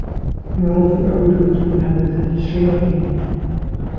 وَقُلْ رَبِّ أَعُوذُ بِكَ مِنْ هَمَزَاتِ الشَّيَاطِينِ